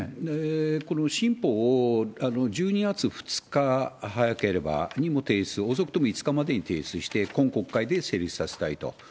この新法を１２月２日、早ければ提出、遅くても５日までに提出して、今国会で成立させたいと。